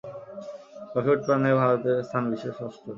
Coffee উৎপাদনে ভারতের স্থান বিশ্বে ষষ্ঠ।